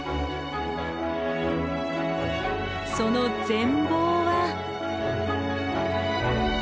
その全貌は。